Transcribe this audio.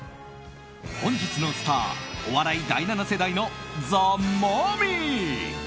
本日のスターお笑い第７世代のザ・マミィ。